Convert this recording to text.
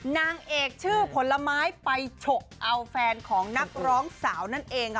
นางเอกชื่อผลไม้ไปฉกเอาแฟนของนักร้องสาวนั่นเองค่ะ